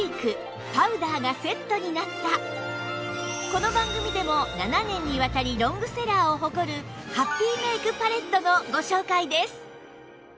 この番組でも７年にわたりロングセラーを誇るハッピーメイクパレットのご紹介です